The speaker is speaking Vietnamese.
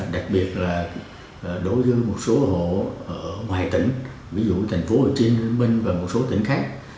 đặc biệt là đối với một số hộ ngoài tỉnh ví dụ thành phố hồ chí minh và một số tỉnh khác